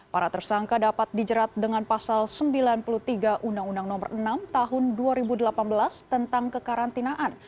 para tersangka dapat dijerat dengan pasal sembilan puluh tiga undang undang nomor enam tahun dua ribu delapan belas tentang kekarantinaan